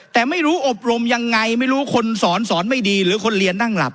แต่ไม่รู้อบรมยังไงไม่รู้คนสอนสอนไม่ดีหรือคนเรียนนั่งหลับ